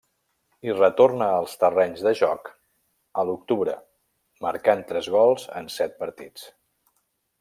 Hi retorna als terrenys de joc a l'octubre, marcant tres gols en set partits.